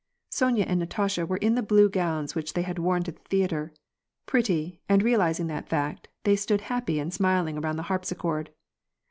Sonya and Natasha were in the blue gowns whicli they had worn to the theatre. Pretty, and realizing that fact, they stood happy and smiling around the liarpsichord.